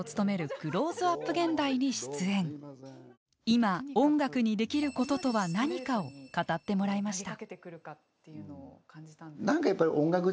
いま音楽にできることとは何かを語ってもらいました。